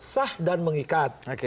sah dan mengikat